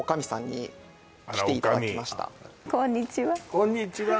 こんにちは